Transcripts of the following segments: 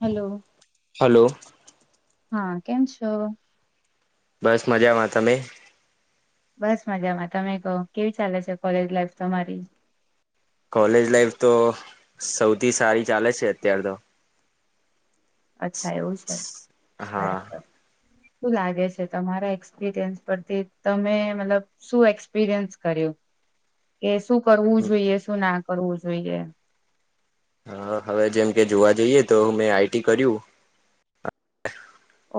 Hello hello. હા. કેમ છો? બસ મજામાં. તમે? બસ મજામાં. તમે કહો કેવી ચાલે છે કોલેજ લાઈફ તમારી? કોલેજ લાઈફ તો સૌથી સારી ચાલે છે અતાર તો અચ્છા એવું છે. હા બરાબર શું લાગે છે તમારા એક્સપિરિયન્સ પરથી તમે મતલબ શું એક્સપિરિયન્સ કર્યું કે શું કરવું જોઈએ શું ના? કરવું જોઈએ હા. હવે જેમ કે જોવા જઈએ તો મેં આઈટી કર્યું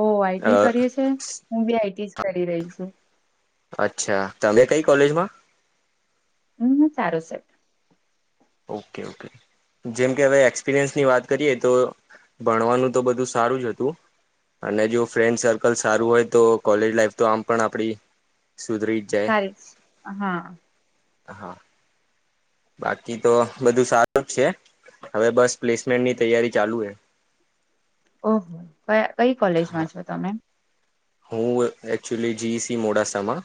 ઓ આઈટી કરીએ છી હું બી આઈટી કરી રહી છું. અચ્છા. તમે કઈ કોલેજમાં? હમ. ચારુસેટ. ઓકે ઓકે જેમ કે હવે એક્સપિરિયન્સની વાત કરીએ તો ભણવાનું તો બધું સારું જ હતું અને જો ફ્રેન્ડ સર્કલ સારું હોય તો કોલેજ લાાઈફ તો આમ પણ આપણી [unintelligible] હા. હા. બાકી તો બધું સારું જ છે, હવે બસ પ્લેસમેન્ટની તૈયારી ચાલુ હે. ઓહો ક કઈ કોલેજમાં છો તમે? હું એકક્ચુઅલી જી ઈ સી મોડા સામાં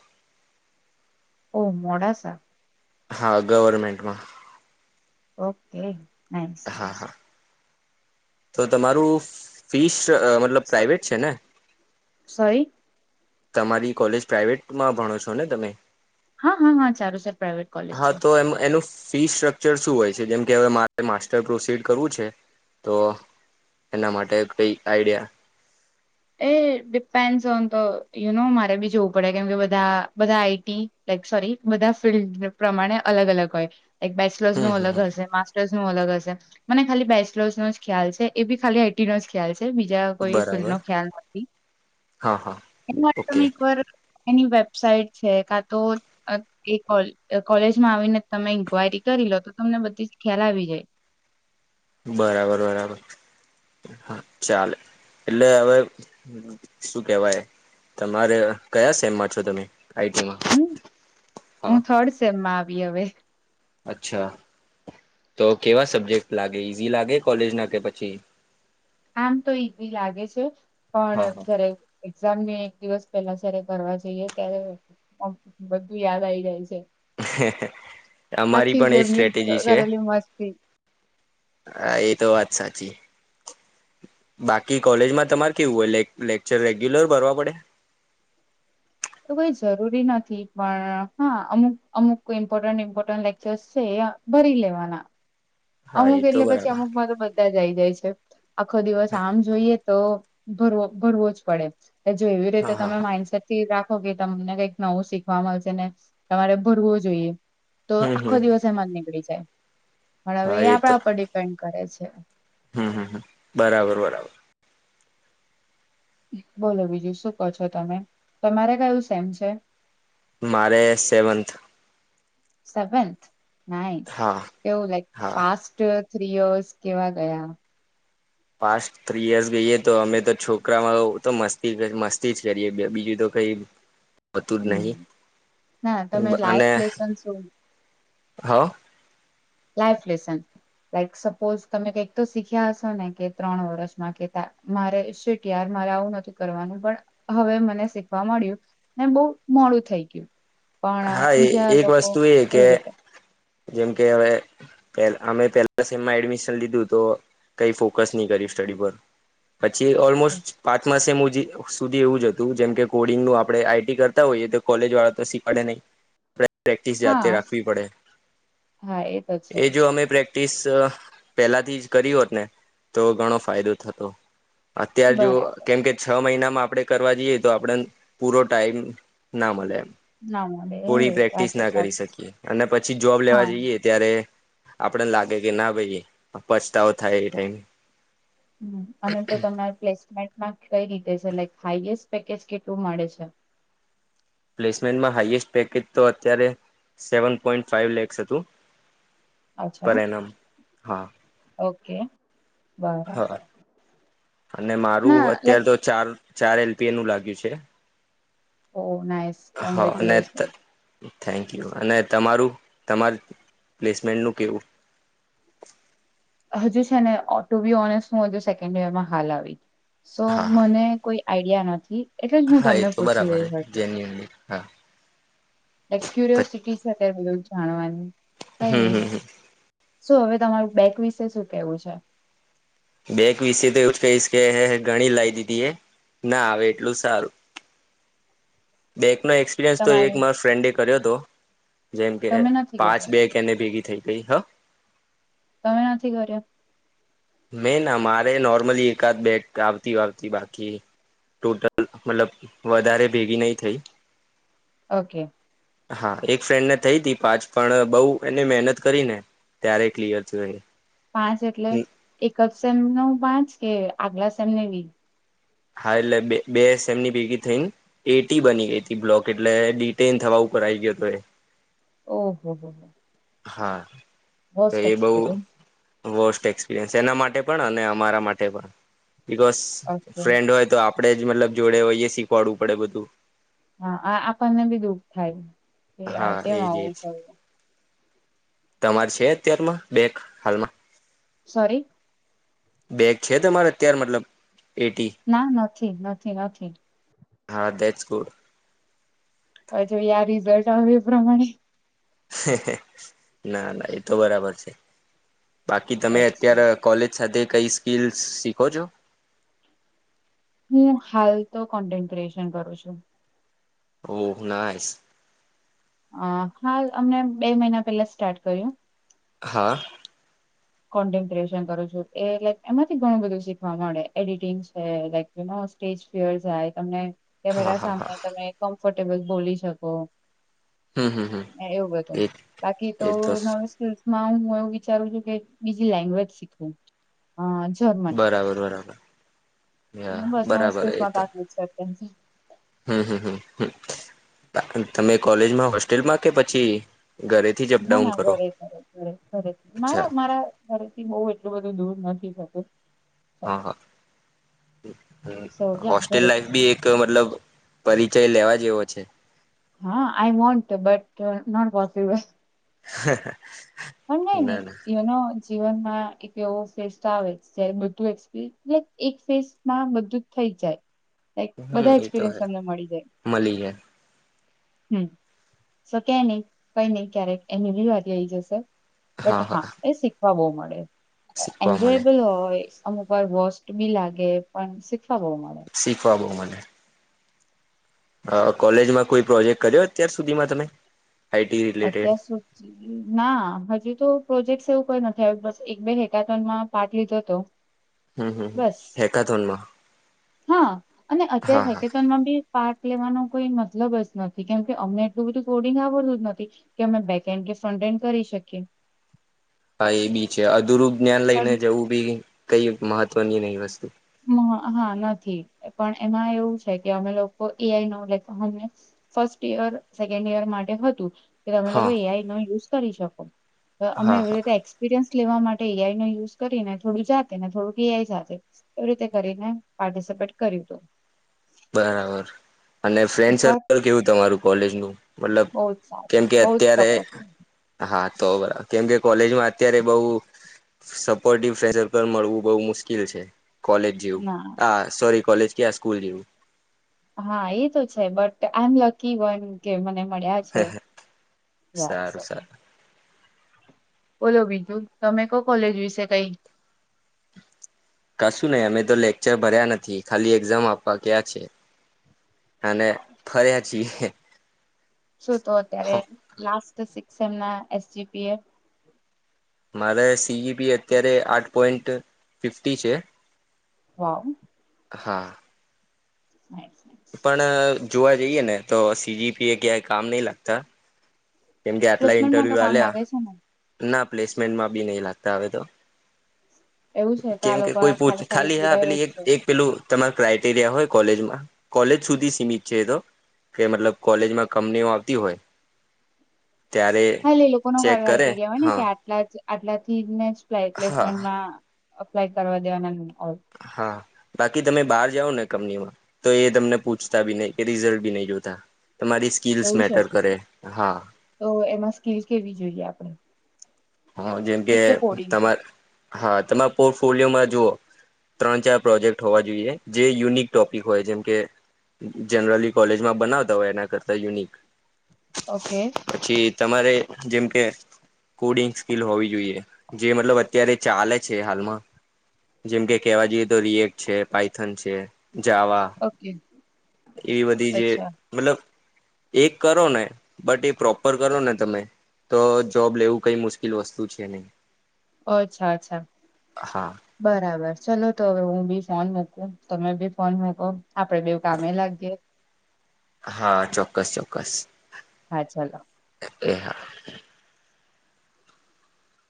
ઓ મોડાસા હા ગવર્મેન્ટમાં ઓકે. નાઈસ હા હા તો તમારું ફિશ અ મતલબ સ- પ્રાઇવેટ છે ને સોરી તમારી કોલેજ પ્રાાઈવેટ માં ભણો છો ને તમે હા હા હા સારું છે. પ્રાઇવેટ કોલેજ હા છે. તો એમ એનું ફી સ્ટ્રકચર શું હોય છે જેમ કે હવે મારે માસ્ટર પ્રોસીડ કરવું છે તો એના માટે કઈ આઈડિયા એ ડિપેન્ડસ ઓન ધ યુનો મારે બી જોવું પડે કેમકે બધા બધા આઈટી લાઇક સોરી બધા ફિલ્ડ પ્રમાણે અલગ અલગ હોય. એક બેચલર્સ હમ નું હમ અલગ હશે માસ્ટર્સ નું અલગ હશે. મને ખાલી બેચલર્સ નો જ ખ્યાલ છે એ બી ખાલી આઈટી નો જ ખ્યાલ છે. બીજા હ કોઈ ફિલ્ડ બરાબર નો [unintelligible] હા હા ઓકે એની વેબસાાઈટ છે કા તો એ કોલેજમાં આવીને તમે ઈન્ક્વાયરી કરી લો તો તમને બધી જ ખ્યાલ આવી જાય. બરાબર બરાબર હા ચાલે એટલે હવે શું કેવાય તમારે કયા સેમમાં છો તમે આઈટીમાં હું હા હું થડ સેમમાં આવી હવે અચ્છા તો કેવા સબ્જેક્ટ લાગે ઈઝી લાગે કોલેજ ના કે પછી આમ તો ઈઝી લાગે છે પણ હા હા જ્યારે એક્ઝામને એક દિવસ પેલા જ્યારે કરવા જઈએ ત્યારે બધું યાદ આઈ જાય છે. અમારી આખી પણ એજ જેમની સ્ટ્રેટેજી છે. કરેલી મસ્તી એ તો વાત સાચી. બાકી કોલેજમાં તમારે કેવું હોય લેક્ચર રેગ્યુલર ભરવા પડે એવુ કઈ જરૂરી નથી પણ હા અમુક અમુક ઇમ્પોર્ટન્ટ ઇમ્પોર્ટન્ટ લેક્ચર્ છે ભરી લેવાના. હા અમુક એ તો એટલે પછી બરાબર અમુક મા તો બધા જ જઈ જાય છે. આખો દિવસ આમ જોઈએ તો ભરવો ભરવો જ પડે. જો એવી રીતે હા હા તમે હા માઇન્ડસેટ થી રા ખો કે તમને કઈક નવું શીખવા મળશે ને તમારે ભરવો જોઈએ. તો હમ આખો હમ હમ દિવસ એમાં જ નીકળી જાય. પણ હવે હા એ તો આપણા ઉપર ડિપેન્ડ કરે છે. હમ હમ હમ બરાબર બરાબર બોલો બીજું શું કહો છો તમે તમારે કયું સેમ છે મારે સેવન્થ સેવેન્થ નાઈસ હા હા થ્રી અવર્સ કેવા ગયા પાસ્ટ થ્રી યર્સ ગઈએ તો અમે તો છોકરા માંતો મસ્તી મસ્તી જ કરીએ બીજું તો કઈ હોતું જ હમ નહી ના તમે અને લાઈફ લેસન શુ હ લાઈફ લેસન લાઈક સપોઝ તમે કઈક તો શીખ્યા હશો ને કે ત્રણ વર્ષમાં કેતા મારે શીટયાર મારે આવું નથી કરવાનું પણ હવે મને શીખવા મળ્યું ને બોવ મોડું થઈ ગયું. હા પણ એ બીજા એક લોકો વસ્તુ એ કે એવી રીતે જેમકે હવે પે અમે પેલા સેમ એડમિશન લીધું તો કઈ ફોકસ ની કર્યું સ્ટડી પર પછી ઓલમોસ્ટ પાંચમા સેમ ઉજી સુધી એવું જ હતું જેમ કે કોડિંગનું આપણે આઈટી કરતા હોઈએ તો કોલેજ વાળા તો શી ખવાડે નહી પ્રેક્ટિસ જાતે હા રાખવી પડે હા એ તો છે એ જો અમે પ્રે ટિસ પેહેલાથી જ કરી હોત ને તો ઘણો ફાયદો થતો અત્યાર જો બરાબર કેમ કે છ મહિના માં આપણે કરવા જઈએ તો આપણે પૂરો ટાઈમ ના મલે એમ ના મળે થોડી એ વાત પ્રેક્ટિસ તો ના કરી સાચી છે શકીએ અને પછી જોબ હા લેવા જઈએ ત્યારે આપડને લાગે કે ના ભાઈ પછતાવો થાય એ ટાઈમ હ અને તો તમારે પ્લેસ મેટમાં કઈ રીતે સીલેકટ હાઈએસ્ટ પેકેજ કેટલું મળે છે. પ્લેસમેન્ટમાં હાાઈએસ્ટ પેકેજ તો અત્યારે સેવન પોઈન્ટ ફાઈવ લેક્સ હતું. અચ્છા પર એનમ હા ઓ કે હા અને મારું ના અત્યારે લાઈક તો ચાર ચાર એલપી એ નું લાગ્યું છે. ઓ નાઈસ કોન્ગ્રેચ્યુલેશન થેન્કયુ અને તમારું તમાર પ્લેસમેન્ટનું કેવું હજુ છે ને ઓ ટું બી ઓનસ હું હજુ સેકન્ડ ઈયરમાં હાલ આવી સો હા હા મને કોઈ આઈડિયા નથી એટલે જ હું હા એ તમને તો પૂછી બરાબર રહી જેન્યુનલી હા એક ક્યુરોયોસિટી બધું જાણવાની કઈ નહી હમ હમ શું હવે તમારું બેક વિશે શું કેવું છે બેક વિશે તો એવું જ કહીશ કે ગણી લાવ દીધી એ ના આવે એટલું સારું બેક મૈં એક્પિરિયન્સ તો એક તમારે માર ફ્રેન્ડે કર્યો હતો દો જેમ કે તમે નથી પાંચ કર્યો બે કેને ભેગી થઈ કઈ હ તમે નથી કર્યા મે ના મારે નોર્મલી એકાદ બેગ આવતી આવતી બાકી ટોટલ મતલબ વધારે ભેગી નહી થઈ ઓકે હા એક ફ્રેન્ડને થઈ તી પાંચ પણ બહુ એને મહેનત કરી ને ત્યારે ક્લિયર થયું પાંચ એટલે એકપસેમ ન પાંચ કે આગલા સા એમનેવીી હા એટલે બે બે એસ એમ ની ભેગી થઈ એટી બની ગઈ હતી બ્લોક એટલે ડિટેન થવા કર આવી ગયો હતો એ ઓહ હો હો હા તો વર્સ્ટ એ એક્સપિરિયન્સ બહ વર્સ્ટ એક્સપિરયસ તેેના માટે પણ અને અમારા માટે પણ બિકઝ ઓકે ફ્રેન્ડ હોય તો આપ આપડે જ મતલબ જોડે હોય શીખવાડવું પડે બધું હા આપણને બી દુઃખ થાય યાર હા કેમ એજ એજ આવું છ તમારે છે અત્યારમાં બેક હાલમાં સોારી બેગ છે તમારે અત્યારે મતલબ એટી ના નથી નથી નથી હા દેટસ ગુડ હ જો રિઝલ્ટ આવે એ પ્રમાણે [inaudible] ના ના એ તો બરાબર છે બાકી તમે અચ્છા અત્ય્યારે કોલેજ સાથે કઈ સ્કીલ શીખો છો હું હાલ તો કોન્ટન્ટ ક્રિએશન કરું છું ઓહ નાસ અ હાલ અમને બે મહિના પેલા સ્ટાર્ટ કર્યું હા કોન્ટેન્ટ ક્રિએશન કરું છું એ લક એમાંથી ઘણું બધું શીખવા મળે એડિટિંગ છે લ સ્ટેજ ફરાય તમને હા કેમેરા હા સામે હા તમે ફટેબલ બોલી શકો. હમ હમ હમ એવું બધું એ બાકી તો ન મુસક ના હું એવું વિચારું છું કે બીજી લેંગ્વેજ શીખવું. હ જર્મન, બરાબર બરાબર અને બસ નવી બરાબર એ તો [unintelligible] છે. [unintelligible] હમ હમ હમ તમે કોલેજમાં હોસ્ટેલમાં કે પછી ઘરેથી જ ના અપડાઉન ના કરો ઘરે ઘરે ઘરે ઘરેથી ના અચ્છા ના મારા ઘરેથી બઉ એટલું બધું દૂર નથી. [unintelligible] હા હા, સો યા હોસ્ટેલ ઘરેથી લાઈફ બી એક મતલબ પરિ જય લેવા જેવો છે. હા, I want but not possible. હહ [unintelligible] હ નયની એવનો જીવનમાં એક એવો ફેઝ તો આવે જયારે બધું એક્સપલે યા એક ફેઝમાં બધું જ થઈ જાય. લાઈક, હમ બધા એ તો એક્સપિરિયન્સ હે અમને મળી ગયા મળી જાય હમ, શો કાય નહી, કઈ નઈ ક્યારેક એની આઈ જશે બટ હા એ શીખવા બહુ મળે શીખવા મળે એન્જોયબલ હોય અમુકવાર વોસ્ટ બી લાગે પણ શીખવા બઉ શીખવા બઉ મલે અ, કોલેજમાં કોઈ પ્રોજેક્ટ કર્યો અત્યાર સુધીમાં તમે આઈટી રિલેટેડ અત્યાર સુધી ના, હજુ તો પ્રોજેકટ્સ એવું કઈ નથી આવ્યું, બસ એક બે હેકાથોનમાં પાટ લીધો હતો હમ, હમ, હમ, બસ હેકાથોનમાં હા, અને અત્યારે હા હા હેકેતોનમાં બી પાર્ટ લેવાનો કોઈ મતલબ જ નથી, કેમ કે અમને એટલું બધું કોડિંગ આવડતું જ નથી કે અમે બેક હેન્ડ કે ફ્રન્ટ હેન્ડ કરી શકીએ હા, એ બી છે, અધૂરું જ્ઞાન લઈને પણ જવું બી કઈ મહત્વની નહીં વસ્તુ મ હા નથી, પણ એમાં એવું છે, કે અમે લોકો એઆઈનો લાઈક અમને ફર્સ્ટ ઈયર સેકન્ડ ઈયર માટે હતું કે તમે લોકો હા એઆઈનો યુઝ કરી શકો અમે હા એવી હા રીતે એક્સપિરયન્સ લેવા માટે એ. આઈ નો યુઝ કરીને થોડું જાતે ને થોડુંક એ. આઈ સાથે એવી રીતે કરીને પાર્ટિસિપેટ કર્યું તું. બરાબર. અને ફ્રેન્ડ વાર સર્કલ કેવું તમારું કોલેજનું મતલબ બહુ જ સારું કેમ કે બહુ જ અત્યારે સપોર્ટિવ હા તો બરા કેમકે કોલેજમાં અત્યારે બઉ સપોર્ટિવ ફ્રેન્ડ સર્કલ મળવું બહુ મુશ્કીલ છે. કોલેજ જેવું ના આ સોરી કોલેજ કે આ સ્કૂલ જેવું હા એ તો છે બટ આ એમ લકી વન કે મને મળ્યા છે. યા સ સારું સારું બોલો બીજું, તમે કો કોલેજ વિશે કઈ? કશું નહી અમે તો લેક્ચર ભર્યા નથી. ખાલી એક્ઝામ આપવા ગયા છે. અને ફર્યાં જી શું તો અત્યારે લાસ્ટ સિક્સ એમ ના એસજીપી એ મારા સીઈપી અત્યારે આઠ પોઈન્ટ ફિફ્ટી છે. વાવ હા. Nice nice. પણ જોવા જઈએ ને તો, સીજીપી એ ક્યાય કામ નહી લાગતા. કેમકે આટલા પ્લેસમેન્ટમાં તો ઇન્ટરવ્યુ કામ આલ્યા લાગે છે ને ના પ્લેસમેન્ટમાં બી નહી લાગતા હવે તો. એવું છે તો કેમ આ કે લોકો કોઈ પૂ ખાલી હ પીવડાવે પેલી જ એક છે એક પેલું તમારે ક્રાઈટેરિયા હોય કોલેજમાં. કોલેજ સુધી સીમિત છે એતો. કે મતલબ કોલેજમાં કમનીઓ આવતી હોય. ત્યારે હા એ લોકો ન ચેક કરે કાઈટેરિયા હોય ને કે હા આટલાજ આટલાથીને હા પ્લેસમેન્ટમાં અપ્લાય કરવા દેવાનાં હા. બાકી તમે બહાર જાઓ ને કંપનીમાં. તો એ તમને પૂછતા બી નહી કે રિઝલ્ટ બી નહી જોતા. તમારી સ્કીલ્સ એવું છે. મેટર કરે હા તો એમાં સ્કિલ્સ કેવી જોઈએ આપડે? હા જેમ કે છે તમારે હા, તમારે પો પોલિયોમાં જુઓ ત્રણ ચાર પ્રોજેક્ટ હોવા જોઈએ. જે યુનિક ટોપિક હોય. જેમકે જનરલી કોલેજમાં બનાવતા હોય એના કરતા યુનિક ઓકે. પછી તમારે જેમ કે કોડિંગ ફિલ હોવી જોઈએ. જે મતલબ અત્યારે ચાલે છે હાલમાં. જેમ કે કેવા જઈએ તો રિએકટ છે, પાઈથન છે. જાવા ઓકે એવી બધી જે અચ્છા મતલબ એક કરો ને બટ એ પ્રોપર કરો ને તમે. તો જોબ લેવું કઈ મુશ્કેલ કીલ વસ્તુ છે નહી. અચ્છા અચ્છા હા બરાબર. ચલો તો હવે હું બી ફોન મૂકું. તમે બી ફોન મુકો. આપડે બેવ કામે લાગીયે હા ચોક્કસ ચોક્કસ. હા ચાલો. એ હા.